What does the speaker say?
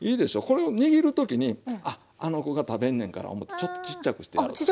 これを握る時にあっあの子が食べんねんから思ってちょっとちっちゃくしてやろうと。